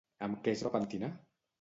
Amb què es va pentinar?